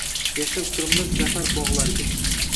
Yashil qirmiz za’far bog’larga